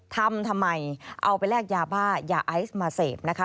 ทำทำไมเอาไปแลกยาบ้ายาไอซ์มาเสพนะคะ